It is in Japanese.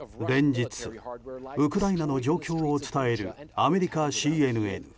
連日、ウクライナの状況を伝える、アメリカＣＮＮ。